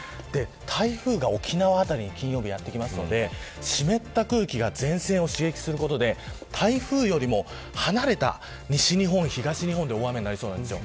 台風が沖縄辺りに金曜日にやってきますので湿った空気が前線を刺激することで台風よりも離れた西日本、東日本で大雨になりそうです。